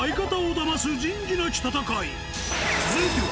続いては